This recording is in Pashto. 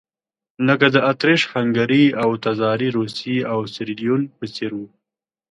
لکه د اتریش-هنګري او تزاري روسیې او سیریلیون په څېر وو.